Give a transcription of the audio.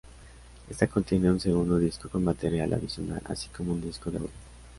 Esta contiene un segundo disco con material adicional, así como un disco de audio.